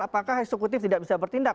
apakah eksekutif tidak bisa bertindak